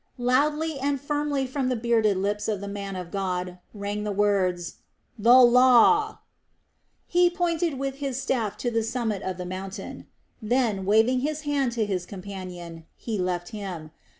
Loudly and firmly from the bearded lips of the man of God rang the words; "THE LAW!" He pointed with his staff to the summit of the mountain. Then, waving his hand to his companion, he left him.